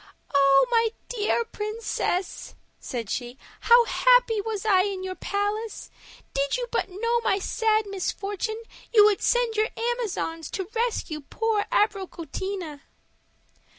"Oh, my dear princess," said she, "how happy was I in your palace! Did you but know my sad misfortune, you would send your Amazons to rescue poor Abricotina."